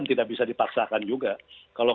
tidak bisa dipaksakan juga kalau